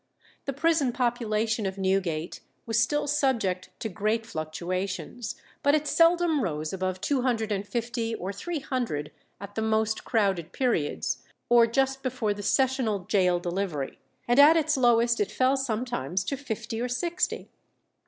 The prison population of Newgate was still subject to great fluctuations, but it seldom rose above two hundred and fifty or three hundred at the most crowded periods, or just before the sessional gaol delivery; and at its lowest it fell sometimes to fifty or sixty.